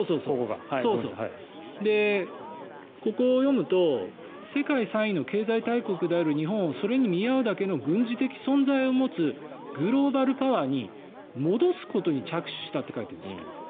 ここを読むと世界３位の経済大国である日本をそれに見合うだけの軍事的存在感を持つグローバル・パワーに戻すことに着手したって書いてるんですよ。